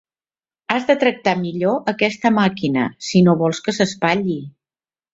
Has de tractar millor aquesta màquina, si no vols que s'espatlli.